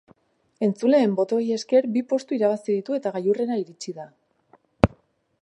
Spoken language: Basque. Entzuleen botoei esker, bi postu irabazi ditu eta gailurrera iritsi da.